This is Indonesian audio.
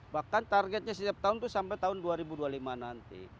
bahkan targetnya setiap tahun itu sampai tahun dua ribu dua puluh lima nanti